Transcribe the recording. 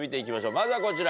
まずはこちら。